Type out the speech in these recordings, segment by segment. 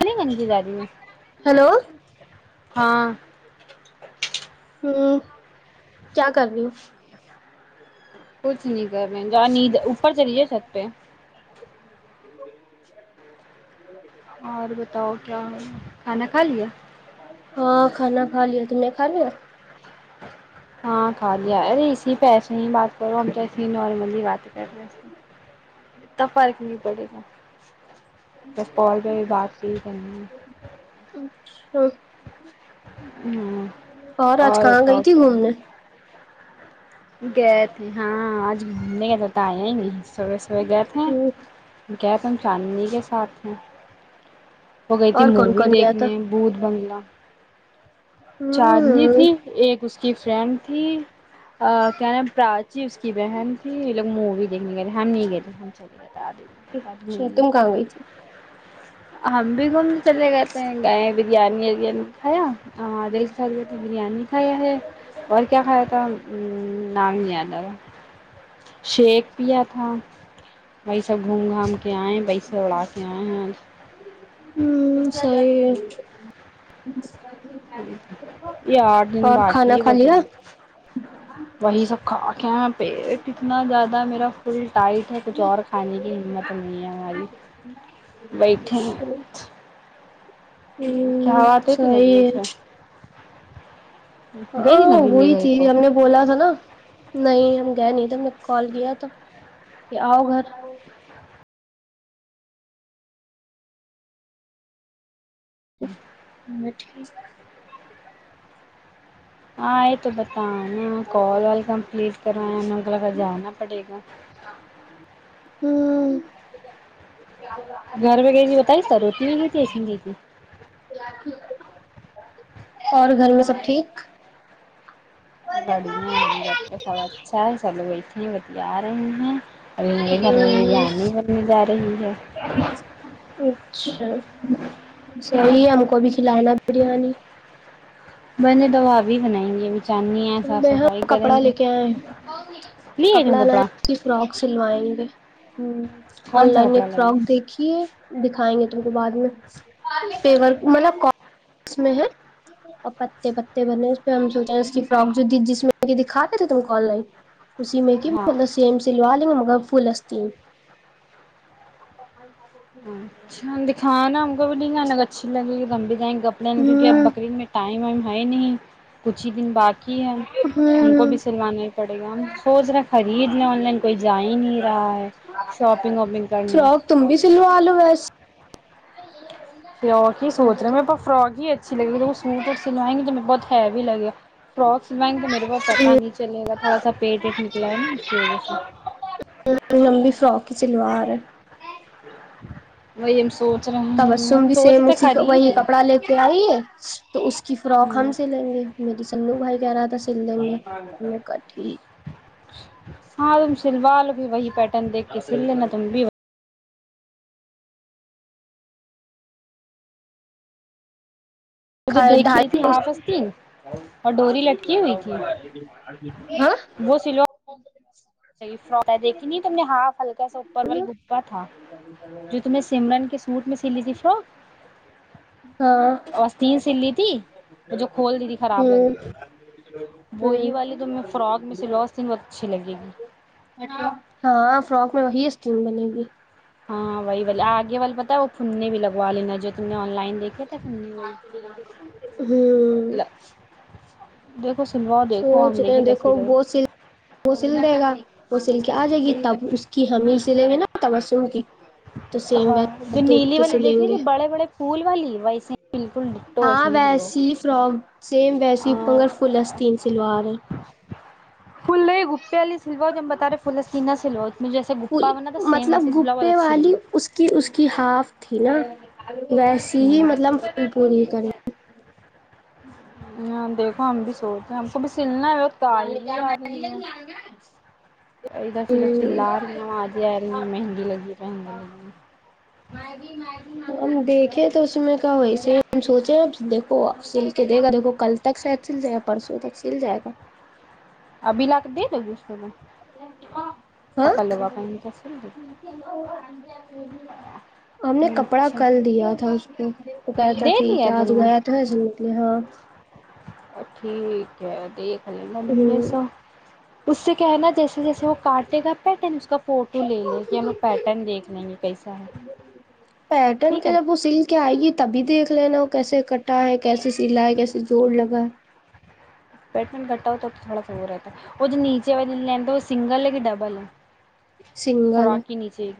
میںیں گندگی جا رہی ہو ہیلو [unintelligible] ہاں ہوں کیا کرنی کچھ نہیں کر میں نیند اوپر چلیے چھت پہ اور بتاؤ کیا کھانا کھا لیا خالیا تم نے کا لیا ہاں خالی ا رےی پیسے ہی بات ہم س نارملی بات کر رہے اتنا فرق نہیں پڑے گا پہ بھی بات نہیں کرنی ہے ہ ہاں اور آج کہاں گئی بتاؤ تھی کیا گھومنے ہے گئے تھے ہاں آج گھومنے کے تھا بتیا ہی نہیں صبح سبح گئے تھے ہ گئے تم چاندنی کے ساتھ ہوں [inaudible] ہو گئی تھی اور کون مووی کون گیا تھا دیکھنے بت بنگلا ہ چارنی تھی ایک اس کی فرینڈ تھی کیا ن پراچی اس کی بہن تھی یہ لوگ مووی دیکھنے گئے تھے ہم نہیں گئے تھے ہم چلے گئے تھے اچھا آدمید تم کہاں گئی تھی ہم بھی گھوم چلے گئےے ہیں گائے بریانی اریانی کھایا دیک سال ت بریانی کھایا ہے اور کیا کھایا تھا ہ نگیان شیک پیا تھا وہی سب گھوم گھام کے آئے وہیں سے اڑا کے آئےیں آ ہوں سی نمس [inaudible] یہ آٹھ دن اور کھانا باقی کھا ہے لیا بری وہی س کاں کیا پیٹ اتنا زیادہ میرا فل ٹائٹ ہے کچھ اور کھانے کی ہمت نہیں ہے ہماری ہ بیٹھے ہ کیا بات ہوئی تھی ساہ نبیل سے [unintelligible] گئی تھی ہاں نبیل کے وہی گھر تھی کو ہم نے بولا تھا نا نہیں ہم گئے نہیں نے کال کیا تو کہ آؤ گھر ہ ٹھیک [unintelligible] ہاں یہ تو بت نا کال وال کمپلیٹ کروایا انگلا جانا پڑے گا ہوں [unintelligible] گھر پہ گئی تھی بتائی سروتی بھی گئی تھی ایسے گئی تھی [inaudible] اور گھر میں سب ٹھیک بڑھیا ہے گھر پہ سب اچھا ہے چلو وہ اتنی بتی آ رہی ہیں [unintelligible] ابھی میرے گھر میں ہوں بریانی بنی جا رہی ہے اچھا صحی ہم کو بھی کھلانا بریانی میں نے دوبا بھی بنائییں گ ہے ب صاف ہاں صفائی کریں کپڑا گے لے کے آئے لیے کپڑا تم لیں کی فراک سلوائیں گے ہ آن کون سا لائن کپڑا ایک لگے فراک دیکھیے دکھائیں گے تم وہ بعد میں پ م [unintelligible] اس میں ہے اور پتے پتے بنے اس پہ ہم جوتے ہیں اس کی ک جو جس میں کہ دکھاتے تھے تم کو آن لائن سی میں کی ہاں سم سلوا گ و فل استی [unintelligible] چ [unintelligible] اچھا دکھا نہا [unintelligible] بھی انگ اچھی لگ گی [unintelligible] [inaudible] کم ت [unintelligible] کپڑے کیک اب ہوں بکرین میں ٹائم ہے ہے نہیں کچھ ہی دن بعد ہے ہم کو بھی ہوں سلوانا ہی پڑے گا ہم سوچ رہے خرید لیں آن لائن کوئی جا ہی نہیں رہا ہے شاپنگ واپنگ کرنے سلو لو ویس [unintelligible] فرک ہی سوچ رہے اچھا، میرے پاس فراک ہی اچھی لگی تو وہ سوٹ اور سلوائیں گے تو مے بہت ہیوی لگےا فراک سلوائیں گے تو میرے پا پتا نہیں چلے گا تھوڑا سا پیٹ ویٹ نکلا ہے نا اس کی وجہ سے لمبی فراک کی سلوار ہے ویم سوٹ [unintelligible] تبسم بھی سیم اسی وہی کپڑا لیتے آئیے تو اس کی فراک ہم ہوں سلیں گے میری سنو بھائی کہہ رہا تھا سل دیں گےٹھیک ہاں تم سلوال بھی وہی بیٹھے دیکے سلن تمبی مجھے ہے دیکھیھی ڈھائی تھی ہافستین اور ڈوری ل [unintelligible] السلام علیکم محترم [unintelligible] فر میں دیکھی نہیں تم نے ہاف ہلکا سا اوپر وال ڈببا تھا جو تم نے سمرن کے سوٹ میں س لی تھی فرک ہاں وستین س لی تھی وہ جو کھول دی تھی خراب لگ رہی ہوں تھی ہوں وہی والی تو میں فراک میں سلوس تن بہت اچھی لگے گی ہاں فراک میں وہی م نے گ [unintelligible] ہاں وہی بے آگے والل پت ہے وہ پننے بھی لگوا لینا جو تم نے آن لائن دیکھے تھے پھنے وہی ہوں د [inaudible] سوچ رہے ہیں دیکھو وہ سل وہ سل دے گا وہ سل کے آ جائے گی تب اس کی ہمیش سلیوی نہ ہوتا مشروم کی [unintelligible] ہاں ویسے جو دیکھ نیلی کے والی دیکھ سلیں گے بڑے بڑے پھول والی ویسے بالکل ہاں ویسے ہی سلواؤ ویسی فراک سیم ویسیپنگر فلس تین سلوار ہے پھ گپے والی سلواؤ جب بتا رہے پلسی نہ سلوؤجھے جیسے فل گپاناا تھا سیم ویسی سلوا بہت اچھی لگی کہ اس کی ہاف تھی نا ویسیے ہی مطلب پھل پوری کریں دیکھو ہمم بھی س ہم کو بھی سلنا ہے وت ت ہیلی آ رہی ہے ادھر سرف س رہی ہ آجے آ رہی مہنگی لگی مہنگی لگی [unintelligible] ہم دیکھیں تو اس میں کیا ویسے ہم سوچے آپ دیکو آپ سل کے دے گا دیکھو کل تک سید سل جیں آپ پرسوں تک سل جائے گا ابھی لا کے دے دو گی اس میں ہاں کل لا نہیں تو س ہم نے کپڑا اچھا کل دیا تھا اس کو وہ کہہ رہا تھا دے ٹھیک دیا ہے آج دنیا گیا تو ایسے نکلے ہاں ٹھیک ہے دیک ا گمند ہوں سو اس سے کہنا جیے جیسے کاے گا پٹ فوٹو لے لے ہم پیٹرن دیکھ لیں گے کیسا ہے پیٹرن ٹھیک کے ہے جب وہ سل کے آئے گی تبھی دیکھ لینا وہ کیسے کٹا ہے کیسے سل ہے کیسے جوڑ لگا ہے بیٹمنٹ کٹا ہوتا ہے تو تھوڑا سا وہ رہتا ہے وہ جو نیچے والے لینتا وہ سنگل ہے کہ ڈبل ہے سنگل ہے فراق ہی نیچے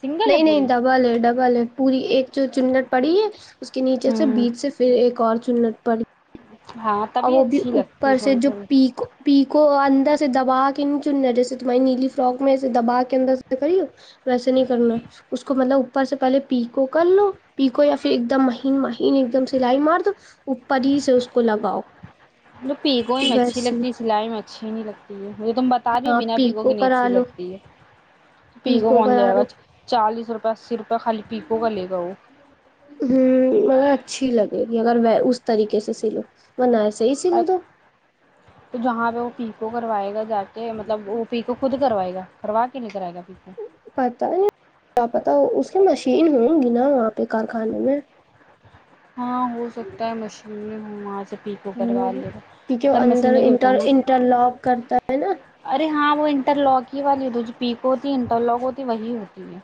سنگل ہے نہیں نہیں پوری ڈبل ہے ڈبل ہے پوری ایک جو چلٹ پڑی ہے اس کے نیچے سے ہوں بیچ سے پھر ایک اورچ سنت پڑ ہاں اور تبھی وہ بھی اچھی لگتی اوپر سے تھوڑی جو تھوڑی پیکو دبا کے نہیں چننا ہے جیسے تمہاری نیلی فرک میںے دبا کے اندر سے کری ہو ویسے نہیں کرنا اس کو مطلب اوپر سے پہلے پی کوو کر لو پی کوو یا پھر ایک دم مہین مہین ایک دم سلائی مار دو اوپر ہی سے اس کو لگاؤ ملب پیکوں میں اچھی ویسی لگتی ہے سلائی میں اچھی نہیں لگتی ہے یہ تم بتا رہی ہو ہاں بنا پکو ک پیکو نہیں کرا اچھی لو لگتی ہے پی کوو پیکو کون کرا جائے گا لو چالیس سرپا سر تو خالی پیپو گ لے گاؤ ہوں مگر اچھی لگے گی اگر میں اس طریقے سے سی لو تو جہاں پہ وہ پی کوو کروائے گا جا کے مطلب وہ پی کوو خود کروائے گا کروا کے نہیں کرائے گ پتا کیا پتا اس مشین ہوں گی نا وہاں پہ کارخانے میں ہاں ہو سکتا ہے مشین میں ہم آ سک ہ کیونکہ وہ اندر بھی انٹر بتانا انٹر لاک کرتا ہے نا ارے ہاں وہ انٹر لاک ہی والی ہوتی جو پیک ہوتی ہے انٹر لک ہوتی ہے وہی ہوتی ہے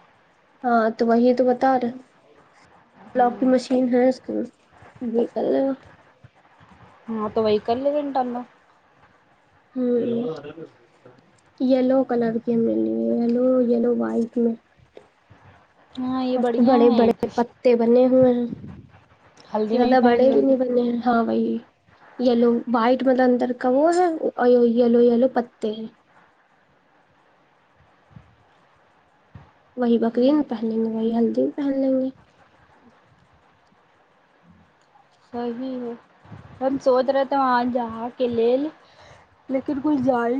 ہاں تو وہی تو بتا رہے لوک کی ہ مشین ہے اس کے نکلے گا ہاں تو ویک ال ل گینٹنا ہ یلو کلر کی ہم ل لی یلو یلو وائٹ میں ہاں یہ اس بڑھیا بڑے ہے بڑے کہ پتے بنے بر ہلدی میں زیادہ پہن بڑے لو بھی گی نہیں بنے ہاں وہی یلو وائٹ مطلب اندر کا وہ ہے یلو یلو پتے ہیں وہی بکری نہ ہ پہن لیں گے وہی ہلدی پہن لیں گے صحیح ہے ہم سوچ رہے تھے وہاں جہاں کے لیے لیکن کھ جائ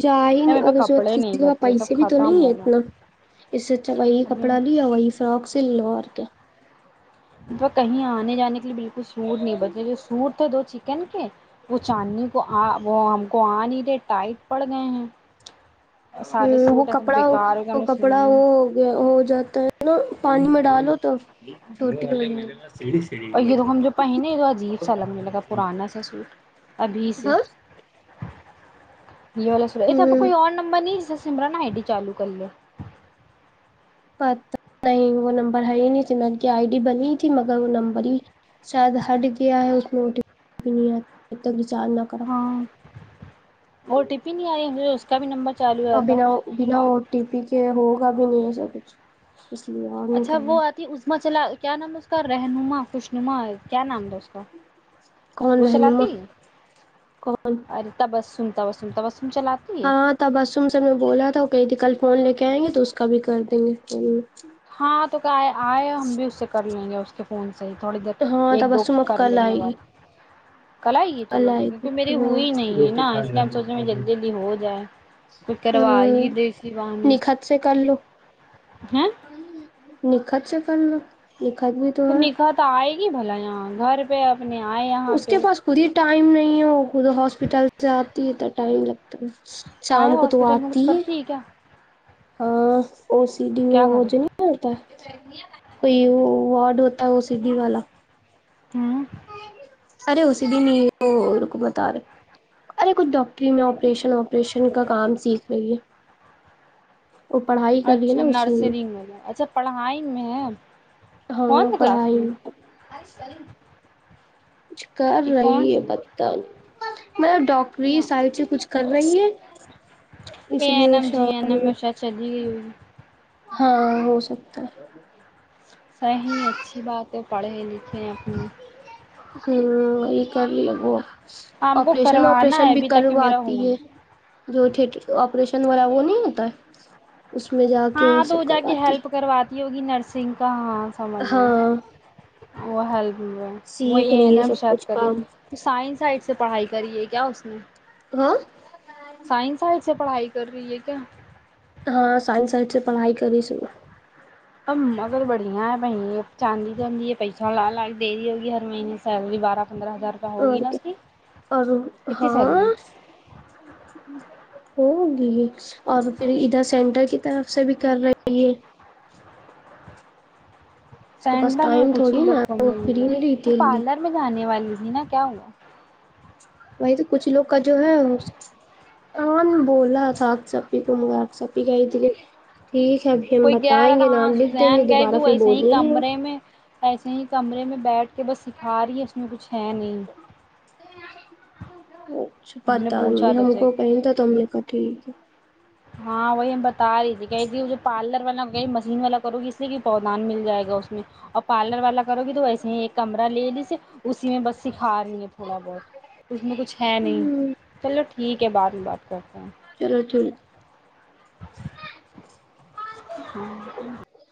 جا ہی میرے نہیں پاس اگر اس ب کپڑے کسی نہیں کے بع بچے سب پیسے بھی تو ختم نہیں ہے ہو گئے اتنا اس سے اچھا وہی کپڑا اب لیا وہی فراک د لو آر کیا تو کہیں آنے جانے کے لی بالکل سور نہیں بچے جو سور تھا دو چ وہ چاندنی کو وہ ہم کو آ نہیں دے ٹائٹ پڑ گئے ہیں ہ سارے وہ سوٹ ایسے کپڑا بےیکار ہو گئے ہم وہ نے کپڑا سنائی وہ گیا ہو جاتا ہے نا پانی میں ڈالو تو توٹ ک اور یہ د ہم جو پہییںے یہ تو عجیب سا الگ منے لگا پرانا سا سوٹ ابھی سے ہاں یہی والا سو یہ تو آپ ہوں کوئی اور نمبر نہیں سمران آئی ڈٹی چالو کر ل پ نہیں وہ نمبر ہ ہی نہیں ت میں کی آئی ڈی بنی تھی مگر وہ نمبر ہی شاید ہٹ گیا ہے اس بھی نہیں آتا تک چال نہ کرو ہاں او ٹی پی نہیں آ رہی مجھے اس کا بھی نمبر چالو ہو رہا تھا کا بھی نہیں ایسا کچھ اس لیے اور نہیں اچھا کرنا وہ آتی اما چلا کیا نام ہے اس کر رہنما خوش نما کیا نام دوست کون وہ رہنما چلاتی کون ارے ت بس سن ہاں ت بسم سے میں بولا تھا کہیں تھی کل فون لے کے کہیں گے تو اس کا بھی کر دیں گے ہاں تو کیا آئے ہم بھی اس سے کر لیں گے اس کے فون سے صحیح تھوڑی دیر ہاں ایک دو کو تبسم اب کر کل لیں آئے گے گی بعد کل آئی ہے چلو آئے ٹھیک ہے گی کی میری ہوئی ہی ہاں نہیں ہے نا اس لیے ہم سوچے جلدی جلدی ہو جائے تو کروا ہی ہوں دیسی پانی نکھت سے کر لو ہے ٹھاچ کل تو نکاح تو آئے گی بھلا یہاں گھر پ اپنے آئے یہاں اس پہ کے پاس خود ہی ٹائم نہیں ہو کوود ہاسپٹل جاپ تتنا ٹائم لگتا ہے کہا ہے شام کو تو ہاسپٹل میں آتی کچھ ہے کرتی کیا ہاں اور سی ڈی میں کیا وہ کرے جو نہیں ملتا کوئی وارڈ ہوتا ہے وہ سی ڈی والا ہوں ارے اسی دن یہ بتا رہے ارے کچھ ڈاکٹری میں آپریشن وپریشن کا کام سیکھ رہی ہے وہ پڑھائی کر رہی ہے اچھا نا اسی نرسری میں اچھا پڑہائی میں ہاں کون سے کلاس پڑھائی میں ہے کچھ کر یہ کون رہی ہے سی بتا ہ [unintelligible] مطلب ڈاکری سائنس کچھ کر رہی ہے پے اس لیے ایین وہ ایم جی این شام ایم میں ہشہ چلی گئی ہاں ہو سکتا ہے سی اچھی بات ہے پڑھے لکھے اپنے ہوں یہ کر ل وہو [unintelligible] ہم کو آپریشن کروانا ہے وپریشن بھی ابھی تک میرا کرواتی ہونا ہے جو تٹر آریشن والا وہ نہیں ہوتا ہے اس میں جا کے ہاں تو وہ سب جا کے کرواتی ہیلپ کرواتی ہے یہ نرسنگ کا ہاں سماج ہے میں ہاں [unintelligible] وہ حل [inaudible] وہ سیکھ رہی این ہے ایم سب شاپ کچھ کری کام تو سائنس سے پڑھائی کری ہے کیا اس نے ہاں سائنسئ سے پڑھائی کر رہی ہے کیا ہاں سائنس سائڈ سے پڑھائی کر س ا مگر بڑھیا ہے ب چاندی چی یہ پیسہ لا لا دے رہی ہوگی مہینے سیلری بارہ پندرہ ہزار روپ ہوگی اور نا اس کی کیا اور کتنی ہاں سیلری ہوگی اور پھر ادھر سینٹر کی طرف سے بھی کر رہے ہے کے پاس سینن میں ٹائم کچھ ہی تھوڑی لوگ نا فن وہ فری نہیںے نہیں تو رہتی جلدی پارلر میں جانے والی تھی نا کیا ہوا وہی تو کچھ لوگ کا جو ہےن بولا تھا سپی کو م سی کا ہی دے [unintelligible] کوئی کہہ رہا تھا ہاں سزین گے گ دوبارہ تو پھر ایسے ہی بولیے کمرے میں ایسے ہی [unintelligible] کمرے میں بیٹھ کے بس سکھا رہی ہے اس میں کچھ [unintelligible] چھین [inaudible] ہ [inaudible] چھ پتہ پوچھا نہیں تو ہم کو اسے کہیں تھا تم نے کہا ٹھیک ہے [unintelligible] ہاں وہی ب [unintelligible] تاری تھی کہئی تھیے پارلر وال [unintelligible] ج والا کرو گی اس سے کہ پودان مل جائے گا اس میں ا [unintelligible] پارلر والا کرو گی تو ویسے ہی ایک کمرہ لے لییے اسی میں بس سکھا رہی ہیں تھوڑا بہت اس میں کچھ ہے نہیں چلو ٹھیک ہے بات میں بات کرتے ہیں [unintelligible] چلو ٹھیک ہ [inaudible]